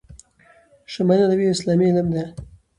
شمایل ندوی یو اسلامي علم ده